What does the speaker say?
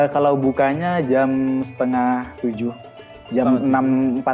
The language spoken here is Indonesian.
kalau bukanya jam setengah tujuh jam enam empat puluh